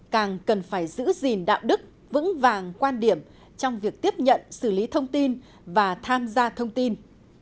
càng cần phải giữ gìn đạo đức vững vàng quan điểm trong việc tiếp nhận xử lý thông tin và tham gia thông tin